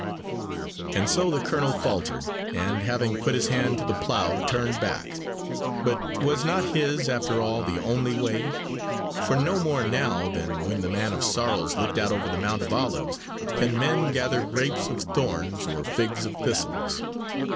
And so the colonel faltered, and, having put his hand to the plow, turned back. But was not his, after all, the only way? For no more now than when the Man of Sorrows looked out over the Mount of Olives, can men gather grapes of thorns or figs of thistles.